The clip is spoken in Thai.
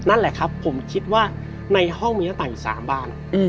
นั่นแหละครับผมคิดว่าในห้องมีหน้าต่างอยู่๓บ้าน